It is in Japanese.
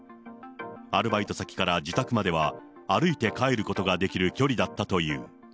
アルバイト先から自宅までは歩いて帰ることができる距離だったという。